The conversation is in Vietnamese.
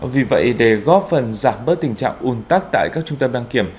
vì vậy để góp phần giảm bớt tình trạng un tắc tại các trung tâm đăng kiểm